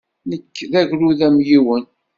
Nekk d agrud amyiwen.